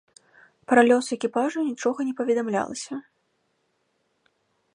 Пра лёс экіпажу нічога не паведамлялася.